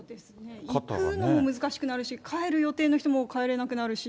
行くのも難しくなるし、帰る予定の人も帰れなくなるし。